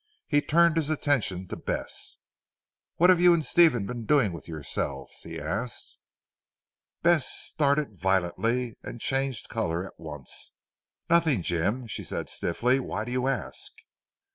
He turned his attention to Bess. "What have you and Stephen been doing with yourselves?" he asked. Bess started violently and changed colour at once. "Nothing Jim," she said stiffly, "why do you ask?"